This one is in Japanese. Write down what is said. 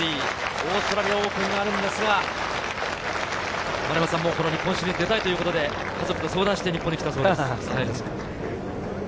オーストラリアオープンがあるのですが、この日本シリーズに出たいということで、家族と相談をして日本に来たそうです。